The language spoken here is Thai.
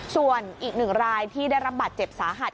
ส่วนอีกหนึ่งรายที่ได้รับบาดเจ็บสาหัส